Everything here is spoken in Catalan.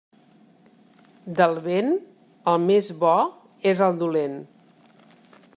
Del vent, el més bo és el dolent.